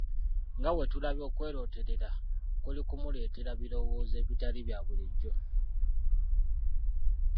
Nga bwe tulabye okwerooterera kuli kumuleetera ebirowoozo ebitali bya bulijjo.